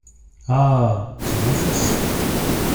Ah ! c’est mon fils.